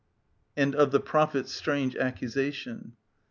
[Jnd of the Prophet* s strange accusation.